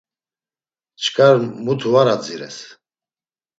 Çkar mutu var adzires.